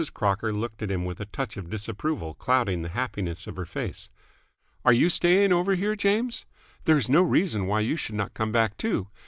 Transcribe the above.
Crocker looked at him with a touch of disapproval clouding the happiness of her face. "Are you staying over here, James? There is no reason why you should not come back, too.